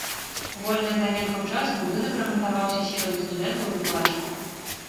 У вольны ад заняткаў час будынак рамантаваўся сіламі студэнтаў і выкладчыкаў.